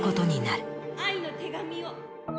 愛の手紙を。